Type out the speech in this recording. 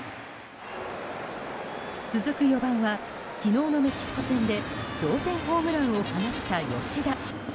続く４番は昨日のメキシコ戦で同点ホームランを放った吉田。